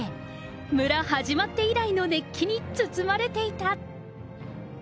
村始まって以来の熱気に包まれていた。